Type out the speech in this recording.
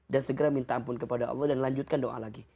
dan segera minta ampun kepada allah dan lanjutkan doa lagi